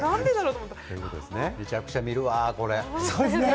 むちゃくちゃ見るわ、これ。